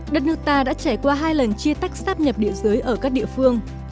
đất nước ta đã trải qua hai lần chia tách sát nhập địa dưới ở các địa phương